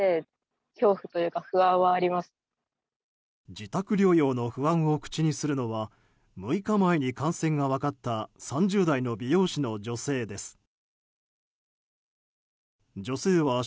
自宅療養の不安を口にするのは６日前に感染が分かった３０代の美容師の女性です。